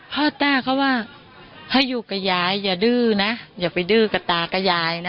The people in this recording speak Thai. ต้าเขาว่าให้อยู่กับยายอย่าดื้อนะอย่าไปดื้อกับตากับยายนะ